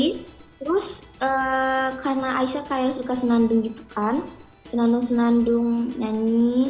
terus karena aisyah kayak suka senandung gitu kan senandung senandung nyanyi